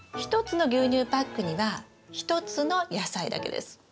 １つの牛乳パックには１つの野菜だけです。